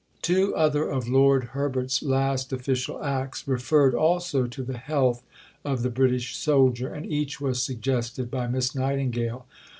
Two other of Lord Herbert's last official acts referred also to the health of the British soldier, and each was suggested by Miss Nightingale.